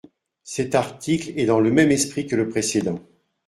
Cet article est dans le même esprit que le précédent.